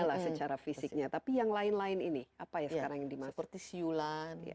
masalah secara fisiknya tapi yang lain lain ini apa ya sekarang yang dimaksud tisula